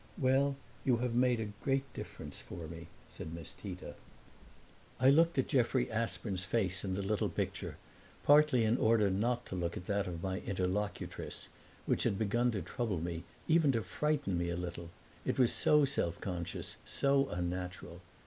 "Well, you have made a great difference for me," said Miss Tita. I looked at Jeffrey Aspern's face in the little picture, partly in order not to look at that of my interlocutress, which had begun to trouble me, even to frighten me a little it was so self conscious, so unnatural.